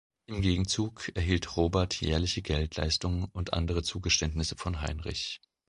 Im Gegenzug erhielt Robert jährliche Geldleistungen und andere Zugeständnisse von Heinrich.